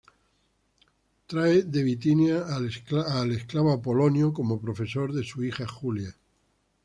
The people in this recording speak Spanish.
Él trae de Bitinia al esclavos Apolonio como profesor de su hija Julia.